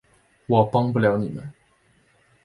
我帮不了你们